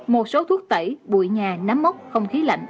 một số thuốc tẩy bụi nhà nắm không khí lạnh